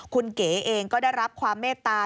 คุณเก๋เองก็ได้รับความเมตตา